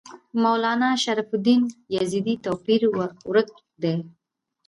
مولنا شرف الدین یزدي توپیر ورک دی.